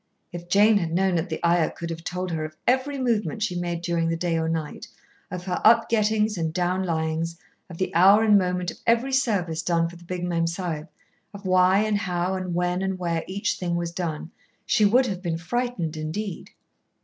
If Jane had known that the Ayah could have told her of every movement she made during the day or night, of her up gettings and down lyings, of the hour and moment of every service done for the big Mem Sahib, of why and how and when and where each thing was done, she would have been frightened indeed.